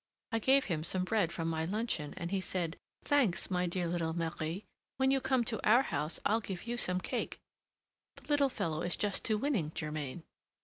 I gave him some bread from my luncheon, and he said: 'Thanks, my dear little Marie; when you come to our house, I'll give you some cake.' The little fellow is just too winning, Germain!"